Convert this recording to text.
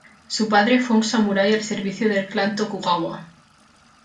Su padre fue un samurái al servicio del clan Tokugawa.